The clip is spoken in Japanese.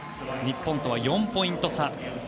日本とは４ポイント差。